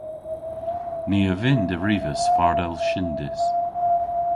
Ni a vynn derivas fardel shyndys.